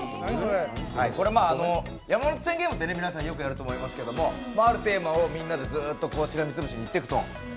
これ山手線ゲームって皆さんよくやると思いますけれどもあるテーマをみんなでずっとしらみ潰しに言っていくと。